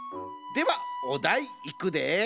ではおだいいくで！